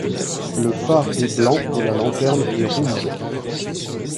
Le phare est blanc et la lanterne est rouge.